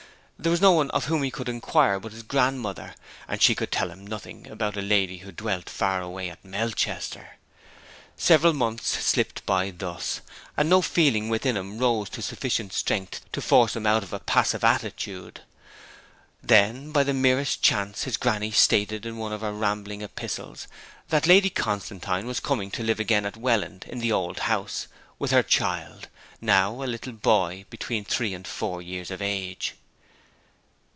There was no one of whom he could inquire but his grandmother, and she could tell him nothing about a lady who dwelt far away at Melchester. Several months slipped by thus; and no feeling within him rose to sufficient strength to force him out of a passive attitude. Then by the merest chance his granny stated in one of her rambling epistles that Lady Constantine was coming to live again at Welland in the old house, with her child, now a little boy between three and four years of age.